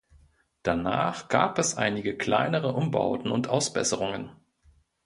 Danach gab es einige kleinere Umbauten und Ausbesserungen.